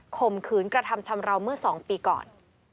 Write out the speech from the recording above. ข่มขืนกระทำชำราวเมื่อ๒ปีก่อน